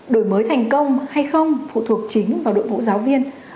đổi mới thành công hay không phụ thuộc chính vào đội ngũ giáo viên